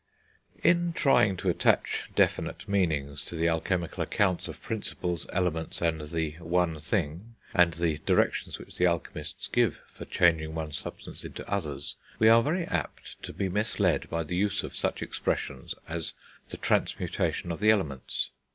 In trying to attach definite meanings to the alchemical accounts of Principles, Elements, and the One Thing, and the directions which the alchemists give for changing one substance into others, we are very apt to be misled by the use of such an expression as the transmutation of the elements.